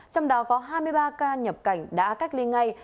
trong đó có hai mươi ba ca nhập cảnh đã cách ly ngay